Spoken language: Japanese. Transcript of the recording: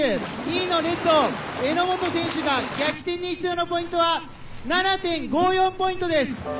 ２位のレッド榎本選手が逆転に必要なポイントは７．５４ポイントです。